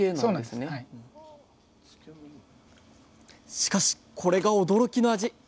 しかしこれが驚きの味！